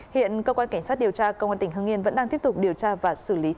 hiện cơ quan cảnh sát điều tra công an tỉnh hưng yên vẫn đang tiếp tục điều tra và xử lý theo quy định